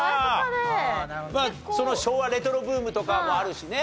まあ昭和レトロブームとかもあるしね。